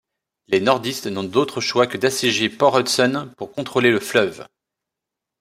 Les Nordistes n'ont d'autre choix que d'assiéger Port Hudson pour contrôler le fleuve.